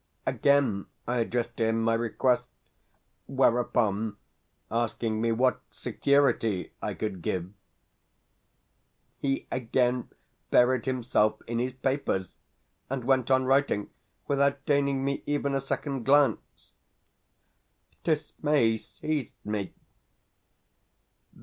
Again I addressed to him my request; whereupon, asking me what security I could give, he again buried himself in his papers, and went on writing without deigning me even a second glance. Dismay seized me.